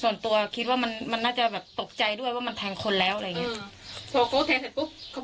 ส่วนตัวคิดว่ามันมันน่าจะแบบตกใจด้วยว่ามันแทงคนแล้วอะไรอย่างเงี้ย